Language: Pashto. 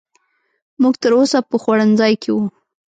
موږ تر اوسه په خوړنځای کې وو.